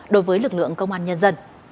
đối với lực lượng công an nhân dân